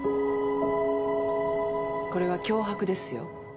これは脅迫ですよ。